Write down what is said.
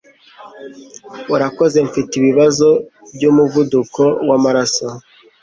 Urakoze mfite ibibazo byumuvuduko wamaraso